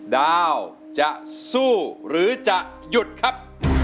ดาวจะสู้หรือจะหยุดครับ